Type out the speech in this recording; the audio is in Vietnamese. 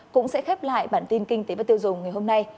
cũng sẽ khép lại bản tin kinh tế và tiêu dùng ngày hôm nay